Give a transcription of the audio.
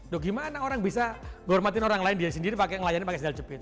duh gimana orang bisa menghormati orang lain sendiri pakai sendal jepit